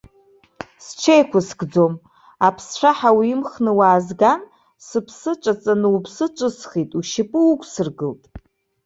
Сҽеиқәыскӡом, аԥсцәаҳа уимхны уаазган, сыԥсы ҿаҵаны уԥсы ҿысхит, ушьапы уқәсыргылт.